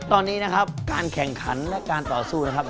ตอนนี้นะครับการแข่งขันและการต่อสู้นะครับ